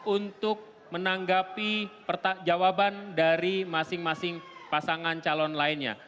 untuk menanggapi jawaban dari masing masing pasangan calon lainnya